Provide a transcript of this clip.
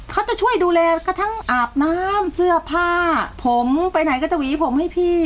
เขาจะช่วยดูแลกระทั่งอาบน้ำเสื้อผ้าผมไปไหนก็จะหวีผมให้พี่